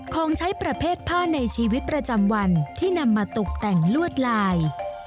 ของใช้ประเภทผ้าในชีวิตประจำวันที่นำมาตกแต่งลวดลาย